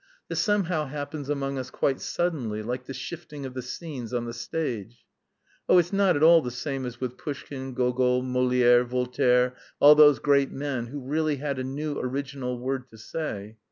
This somehow happens among us quite suddenly, like the shifting of the scenes on the stage. Oh, it's not at all the same as with Pushkin, Gogol, Molière, Voltaire, all those great men who really had a new original word to say!